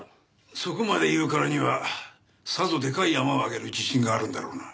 そこまで言うからにはさぞでかいヤマを挙げる自信があるんだろうな？